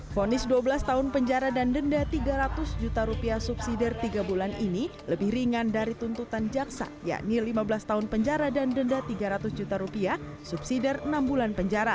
fonis dua belas tahun penjara dan denda tiga ratus juta rupiah subsidi tiga bulan ini lebih ringan dari tuntutan jaksa yakni lima belas tahun penjara dan denda tiga ratus juta rupiah subsidi enam bulan penjara